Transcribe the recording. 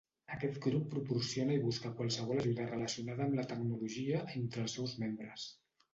Aquest grup proporciona i busca qualsevol ajuda relacionada amb la tecnologia entre els seus membres.